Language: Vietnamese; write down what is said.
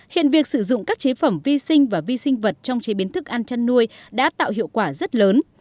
hiện việc sử dụng các chế phẩm vi sinh và vi sinh vật trong chế biến thức ăn chăn nuôi đã tạo hiệu quả rất lớn